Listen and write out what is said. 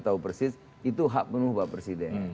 tahu persis itu hak penuh pak presiden